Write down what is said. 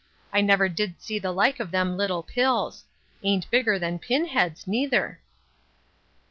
I never did see the like cf them little pills ! Ain't bigger than pin heads, neither."